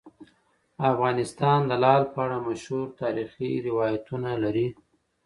افغانستان د لعل په اړه مشهور تاریخی روایتونه لري.